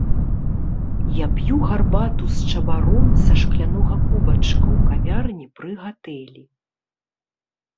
Я п'ю гарбату з чабаром са шклянога кубачка ў кавярні пры гатэлі.